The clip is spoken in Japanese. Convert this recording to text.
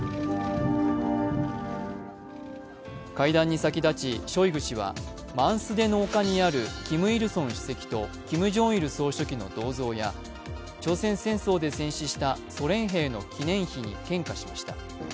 会談に先立ちショイグ氏はマンスデの丘にあるキム・イルソン主席とキム・ジョンイル総書記の銅像や朝鮮戦争で戦死したソ連兵の記念碑に献花しました。